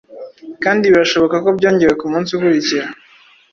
kandi birashoboka ko byongewe ku munsi ukurikira